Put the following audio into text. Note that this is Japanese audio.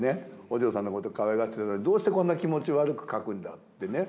お嬢さんのことかわいがってたのにどうしてこんな気持ち悪く描くんだってね